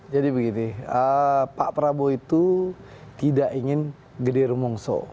jadi pak prabowo itu tidak ingin gedir mongso